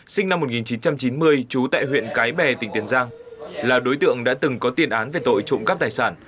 sinh năm một nghìn chín trăm chín mươi trú tại huyện cái bè tỉnh tiền giang là đối tượng đã từng có tiền án về tội trộm cắp tài sản